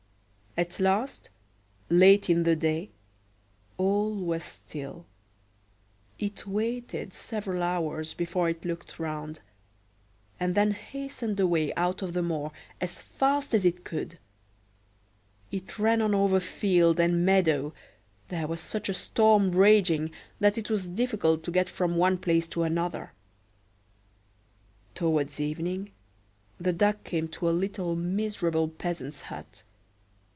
At last, late in the day, all was still; but the poor Duckling did not dare to rise up; it waited several hours before it looked round, and then hastened away out of the moor as fast as it could. It ran on over field and meadow; there was such a storm raging that it was difficult to get from one place to another. Towards evening the Duck came to a little miserable peasant's hut.